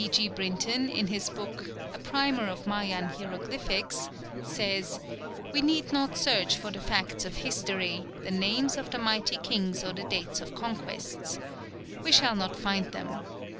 D. G. Brinton, in his book A Primer of Mayan Hieroglyphics (Chicago, 1898), says: "We need not search for the facts of history, the names of the mighty kings or the dates of conquests. We shall not find them.